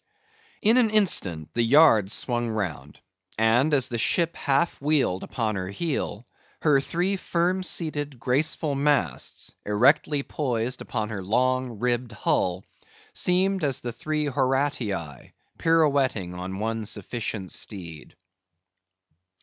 In an instant the yards swung round; and as the ship half wheeled upon her heel, her three firm seated graceful masts erectly poised upon her long, ribbed hull, seemed as the three Horatii pirouetting on one sufficient steed.